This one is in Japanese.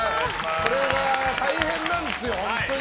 これが大変なんですよ、本当に。